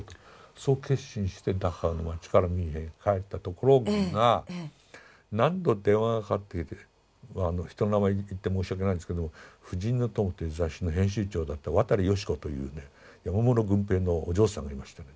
そう決心してダッハウの町からミュンヘンへ帰ったところが何度電話がかかってきてまあ人の名前言って申し訳ないんですけども「婦人之友」っていう雑誌の編集長だった渡善子というね山室軍平のお嬢さんがいましてね